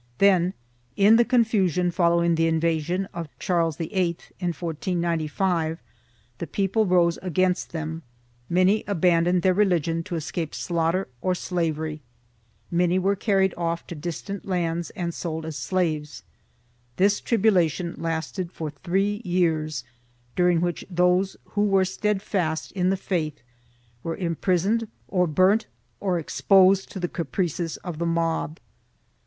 Then, in the confusion following the invasion of Charles VIII, in 1495, the people rose against them; many abandoned their religion to escape slaughter or slavery; many were carried off to distant lands and sold as slaves; this tribulation lasted for three years, during which those who were steadfast in the faith were im prisoned or burnt or exposed to the caprices of the mob.